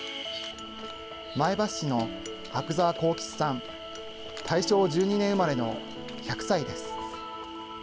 前橋市の阿久澤幸吉さん、大正１２年生まれの１００歳です。